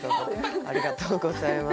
ありがとうございます。